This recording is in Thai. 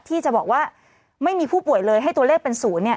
ที่จะบอกว่าไม่มีผู้ป่วยเลยให้ตัวเลขเป็น๐